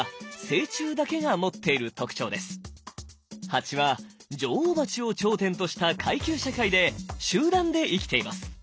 ハチは女王バチを頂点とした階級社会で集団で生きています。